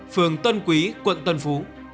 phường tân quý quận tân phú